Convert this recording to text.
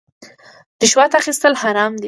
رشوت اخیستل حرام دي